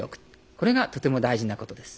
これがとても大事なことです。